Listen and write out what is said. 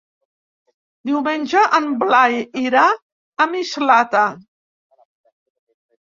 Diumenge en Blai irà a Mislata.